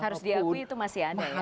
harus diakui itu masih ada ya